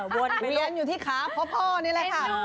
เลี้ยงอยู่ที่ขาพ่อนี่แหละค่ะ